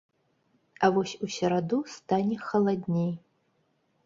А вось у сераду стане халадней.